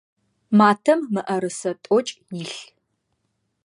Матэм мыӏэрысэ тӏокӏ илъ.